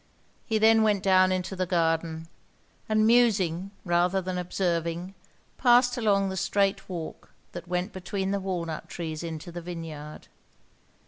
He then went down into the garden; and musing rather than observing, passed along the strait walk that went between the walnut trees into the vineyard.